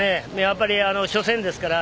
やっぱり初戦ですから。